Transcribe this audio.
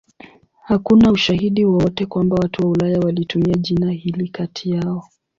Hakuna ushahidi wowote kwamba watu wa Ulaya walitumia jina hili kati yao.